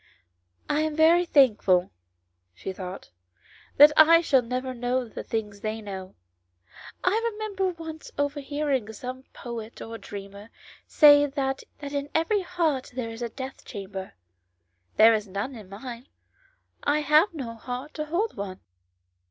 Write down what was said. " I am very thank ful," she thought, " that I shall never know the things they know. I remember once overhearing some poet or dreamer say that in every heart there was a death chamber ; there is none in mine ; I have no heart to hold one."